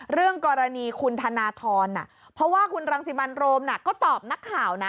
เรื่องกรณีคุณธนทรเพราะว่าคุณรังสิมันโรมก็ตอบนักข่าวนะ